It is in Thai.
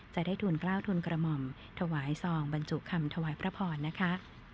จะได้ทุนกล้าวทุนกระหม่อมถวายซองบรรจุคำถวายพระพรนะคะ